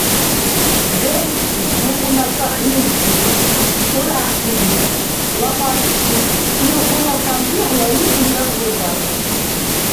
Белики, нугъуна цӀахриубсилис, уряхӀсилис, ламартчис илгъуна танбихӀ лайикьлира бургар?